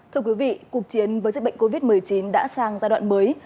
thưa quý vị cuộc chiến với dịch bệnh covid một mươi chín đã sang giai đoạn mới